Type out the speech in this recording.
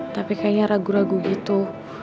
tapi kayaknya ragu ragu gitu